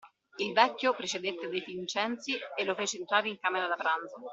Il vecchio precedette De Vincenzi e lo fece entrare in camera da pranzo.